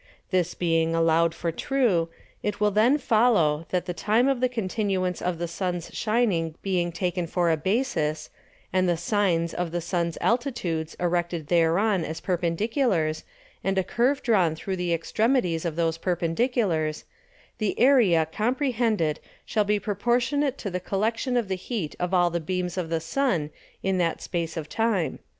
This being allow'd for true, it will then follow, that the time of the continuance of the Sun's shining being taken for a Basis, and the Sines of the Sun's Altitudes erected thereon as Perpendiculars, and a Curve drawn through the Extremities of those Perpendiculars, the Area comprehended shall be proportionate to the Collection of the Heat of all the Beams of the Sun in that space of time.